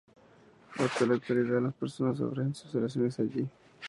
Hasta la actualidad las personas ofrecen sus oraciones allí.